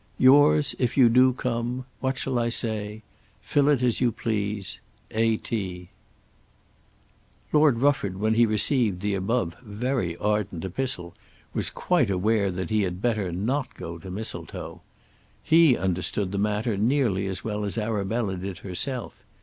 Yours if you do come ; what shall I say? Fill it as you please. A. T. Lord Rufford when he received the above very ardent epistle was quite aware that he had better not go to Mistletoe. He understood the matter nearly as well as Arabella did herself.